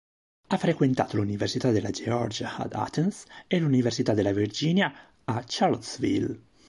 Ha frequentato l'Università della Georgia ad Athens e l'Università della Virginia a Charlottesville.